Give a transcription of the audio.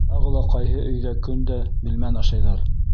Тағы ла ҡайһы өйҙә көн дә билмән ашайҙар?